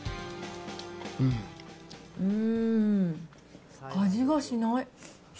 うーん、味がしない。